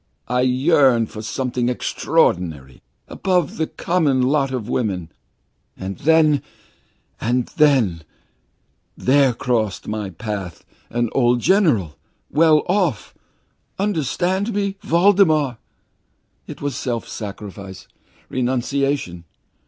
I yearned for something extraordinary, above the common lot of woman! And then and then there crossed my path an old general very well off. Understand me, Voldemar! It was self sacrifice, renunciation!